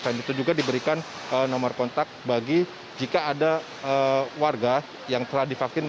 dan itu juga diberikan nomor kontak bagi jika ada warga yang telah divaksin